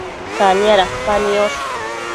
Cania dapa niosh